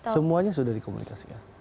semuanya sudah dikomunikasikan